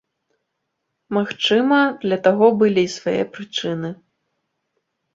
Магчыма, для таго былі свае прычыны.